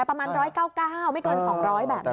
ประมาณ๑๙๙ไม่เกิน๒๐๐แบบนี้